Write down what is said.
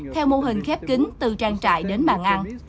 theo mô hình khép kính từ trang trại đến bàn ăn